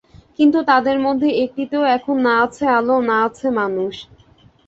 কিন্তু তাদের মধ্যে একটিতেও এখন না আছে আলো, না আছে মানুষ।